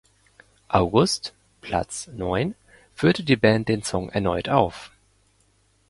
August (Platz neun) führte die Band den Song erneut auf.